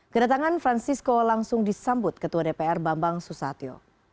kedatangan francisco langsung disambut ketua dpr bambang susatyo